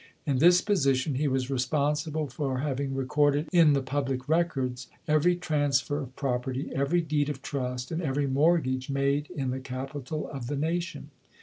In this position, he was responsible for having recorded in the public records every transfer of property, every deed of 38 ] UNSUNG HEROES trust and every mortgage made in the capital of the nation.